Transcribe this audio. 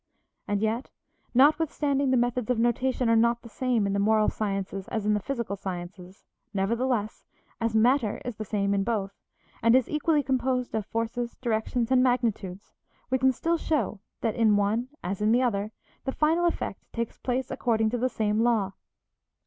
And yet, notwithstanding the methods of notation are not the same in the moral sciences as in the physical sciences, nevertheless, as matter is the same in both, and is equally composed of forces, directions, and magnitudes, we can still show that in one as in the other, the final effect takes place according to the same law.